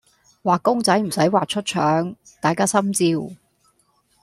畫公仔唔駛畫出腸，大家心照